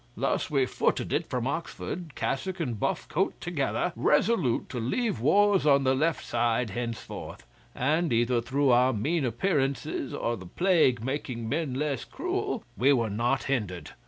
Thus we footed it from Oxford, cassock and buff coat together, resolute to leave wars on the left side henceforth; and either through our mean appearances, or the plague making men less cruel, we were not hindered.